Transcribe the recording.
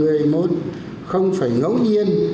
và một không khí phấn khởi tin tưởng vào sự lãnh đạo của đảng